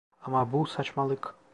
Ama bu saçmalık.